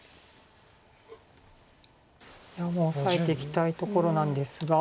オサえていきたいところなんですが。